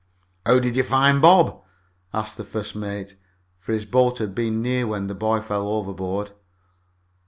"How did you find Bob?" asked the first mate, for his boat had been near when the boy fell overboard.